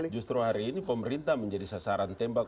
justru hari ini pemerintah menjadi sasaran tembak